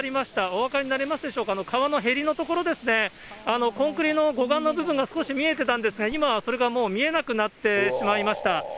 お分かりになりますでしょうか、川のへりの所ですね、コンクリの護岸の部分が少し見えてたんですが、今はそれがもう見えなくなってしまいました。